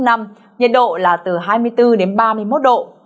nhiệt độ là từ hai mươi bốn đến ba mươi một độ